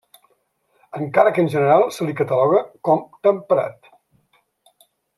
Encara que en general se li cataloga com temperat.